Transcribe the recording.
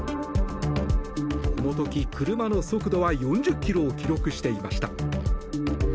この時、車の速度は４０ｋｍを記録していました。